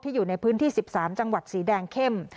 อยู่ในพื้นที่๑๓จังหวัดสีแดงเข้ม